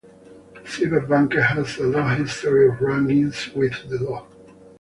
CyberBunker has a long history of run-ins with the law.